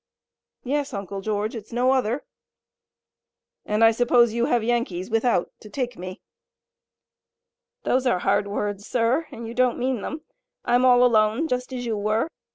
"Yes, Uncle George, it's no other." "And I suppose you have Yankees without to take me." "Those are hard words, sir, and you don't mean them. I'm all alone, just as you were.